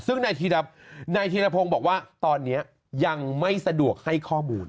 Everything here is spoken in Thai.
ซึ่งนายธีรพงศ์บอกว่าตอนนี้ยังไม่สะดวกให้ข้อมูล